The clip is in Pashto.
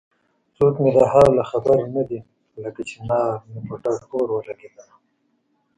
څوک مې د حاله خبر نه دی لکه چنار مې په ډډ اور ولګېدنه